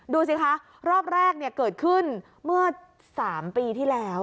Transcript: ดูสิคะรอบแรกเกิดขึ้นเมื่อ๓ปีที่แล้ว